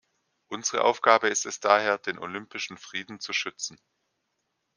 Unsere Aufgabe ist es daher, den Olympischen Frieden zu schützen.